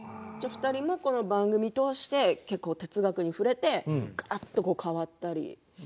２人も、この番組を通して哲学に触れて変わったり。